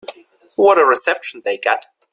What a reception they got.